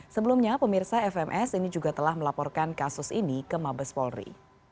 sebelumnya pemirsa fms ini juga telah melaporkan kasus ini ke mabes polri